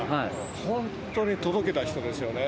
本当に届けた人ですよね。